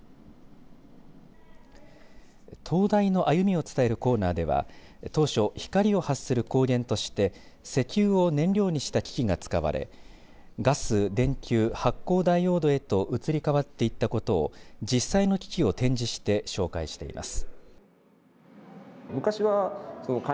灯台の歩みを伝えるコーナーでは当初、光を発する光源として石油を燃料にした機器が使われガス、電球、発光ダイオードへと移り変わっていったことを実際の機器を展示して紹介しています。